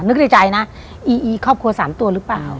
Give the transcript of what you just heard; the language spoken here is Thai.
นึกในใจนะอีอีครอบครัว๓ตัวหรือเปล่า